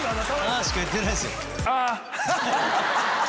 「あ」しか言ってないですよ。